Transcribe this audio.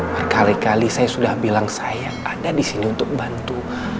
berkali kali saya sudah bilang saya ada di sini untuk bantu